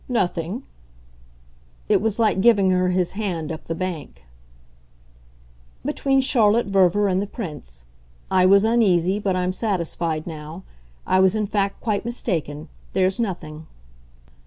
"Nothing ?" It was like giving her his hand up the bank. "Between Charlotte Verver and the Prince. I was uneasy but I'm satisfied now. I was in fact quite mistaken. There's nothing."